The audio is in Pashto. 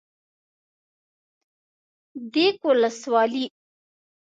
ديک ولسوالي